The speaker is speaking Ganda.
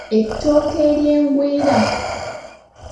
Ettooke ery'engwira.